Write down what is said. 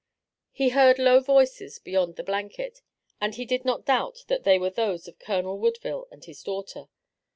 He heard low voices beyond the blanket, and he did not doubt that they were those of Colonel Woodville and his daughter.